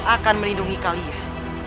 akan melindungi kalian